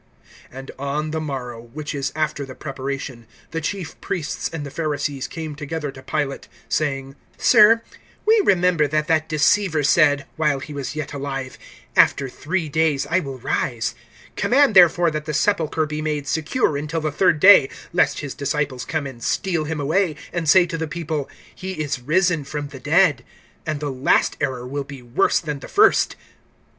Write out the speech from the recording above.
(62)And on the morrow, which is after the preparation, the chief priests and the Pharisees came together to Pilate, (63)saying: Sir, we remember that that deceiver said, while he was yet alive: After three days I will rise. (64)Command, therefore, that the sepulchre be made secure until the third day lest his disciples come and steal him away, and say to the people: He is risen from the dead; and the last error will be worse than the first.